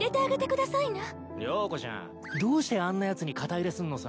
了子ちゃんどうしてあんなやつに肩入れすんのさ。